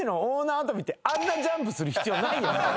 あんなジャンプする必要ないよな。